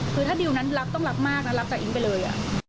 คือถ้าดิวนั้นรับต้องรักมากนะรับจากอิ๊งไปเลย